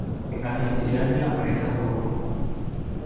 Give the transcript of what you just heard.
La felicidad de la pareja duró poco.